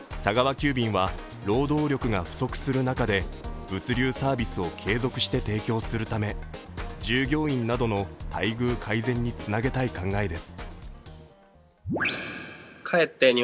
急便は労働力が不足する中で物流サービスを継続して提供するため従業員などの待遇改善につなげたい考えです。